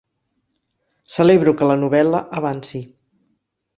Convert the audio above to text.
Celebro que la novel.la avanci.